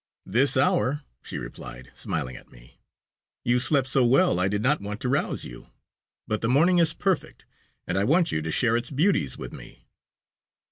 "This hour," she replied, smiling at me; "you slept so well, I did not want to rouse you, but the morning is perfect and I want you to share its beauties with me."